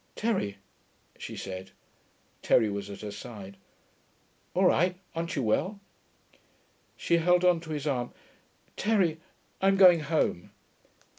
'Terry,' she said. Terry was at her side. 'All right.... Aren't you well?' She held on to his arm. 'Terry, I'm going home.'